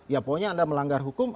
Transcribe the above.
ya pokoknya anda melanggar hukum